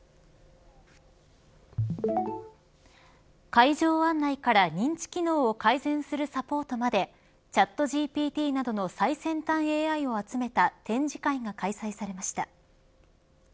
会場案内から認知機能を改善するサポートまでチャットＧＰＴなどの最先端ＡＩを集めた展示会が開催されました。